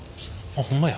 ほんまや。